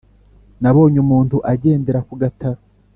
nabonye umuntu agendera ku gataro